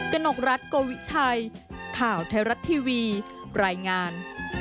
กนกรัฐโกวิชัยข่าวไทยรัฐทีวีรายงาน